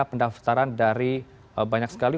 pendaftaran dari banyak sekali